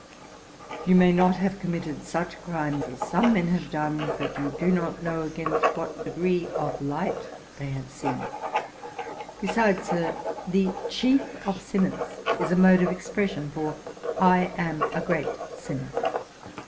You may not have committed such crimes as some men have done; but you do not know against what degree of light they have sinned. Besides, Sir, "the chief of sinners" is a mode of expression for "I am a great sinner."